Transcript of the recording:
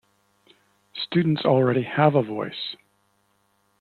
Students already have a voice.